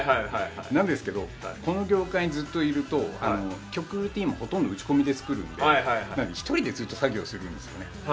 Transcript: なんですけどこの業界にずっといると曲もずっと打ち込みで作るんで１人でずっと作業するんですよね。